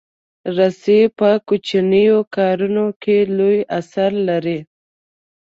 رسۍ په کوچنیو کارونو کې لوی اثر لري.